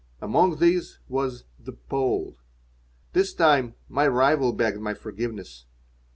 Among these was the Pole. This time my rival begged my forgiveness.